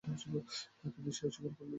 কিন্তু সে অস্বীকার করল এবং অবাধ্য হল।